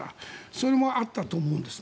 それもあったと思うんです。